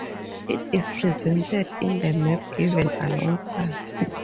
It is presented in the map given alongside.